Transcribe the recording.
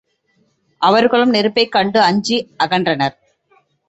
அவர்களும் நெருப்பைக் கண்டு அஞ்சி அகன்றனர்.